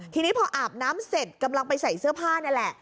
ทีนี้พออาบน้ำเสร็จกำลังไปใส่เสื้อผ้านี่แหละ